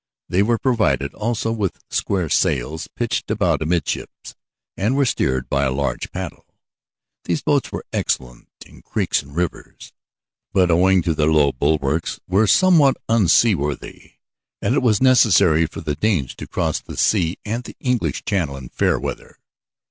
They were provided also with square sails pitched about amidships and were steered by a large paddle. These boats were excellent in creeks and rivers, but owing to their low bulwarks were somewhat unseaworthy, and it was necessary for the Danes to cross the sea and the English Channel in fair weather.